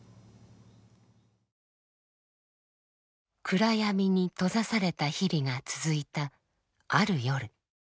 暗闇に閉ざされた日々が続いたある夜。